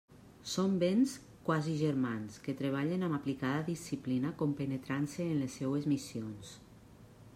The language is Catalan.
Són vents quasi germans que treballen amb aplicada disciplina compenetrant-se en les seues missions.